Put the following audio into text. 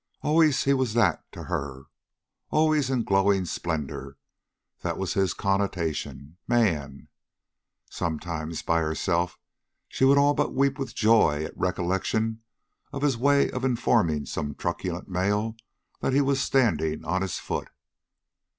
Always he was that to her. Always in glowing splendor, that was his connotation MAN. Sometimes, by herself, she would all but weep with joy at recollection of his way of informing some truculent male that he was standing on his foot.